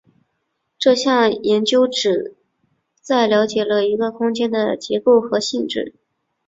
这项研究旨在了解一个地区的空间结构和性质。